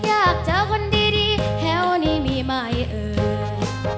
อยากเจอคนดีแถวนี้มีไหมเอ่ย